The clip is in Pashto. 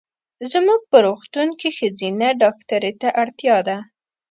زمونږ په روغتون کې ښځېنه ډاکټري ته اړتیا ده.